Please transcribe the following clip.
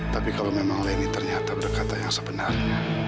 tapi kalau memang leni ternyata berkata yang sebenarnya